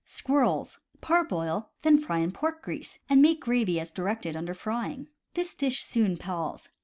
Squirrels. — Parboil, then fry in pork grease, and make gravy as directed under Frying. This dish soon palls.